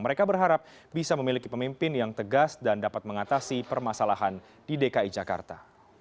mereka berharap bisa memiliki pemimpin yang tegas dan dapat mengatasi permasalahan di dki jakarta